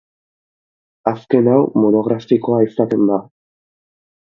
Azken hau monografikoa izaten da.